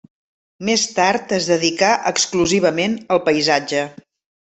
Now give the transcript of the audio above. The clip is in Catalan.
Més tard es dedicà exclusivament al paisatge.